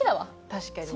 確かに。